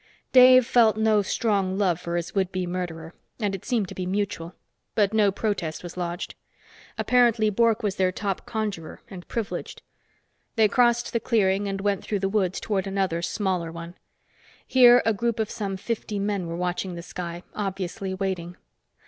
Dave felt no strong love for his would be murderer, and it seemed to be mutual. But no protest was lodged. Apparently Bork was their top conjurer, and privileged. They crossed the clearing and went through the woods toward another, smaller one. Here a group of some fifty men were watching the sky, obviously waiting.